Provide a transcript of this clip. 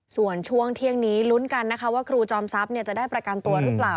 ส่วนช่วงเที่ยงนี้ลุ้นกันนะคะว่าครูจอมทรัพย์จะได้ประกันตัวหรือเปล่า